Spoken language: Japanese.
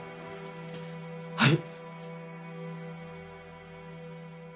はい。